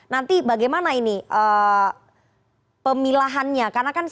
nanti bagaimana ini pemilahannya